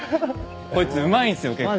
こいつうまいんすよ結構。